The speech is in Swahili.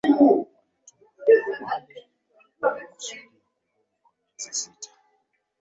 Walitumwa hapo awali ilikusudia kudumu kwa miezi sita